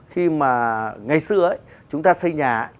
khi mà ngày xưa ấy chúng ta xây nhà